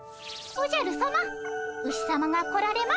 おじゃるさま。